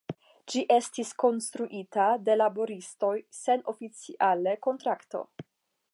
Ĝi estis konstruita de laboristoj sen oficiale kontrakto.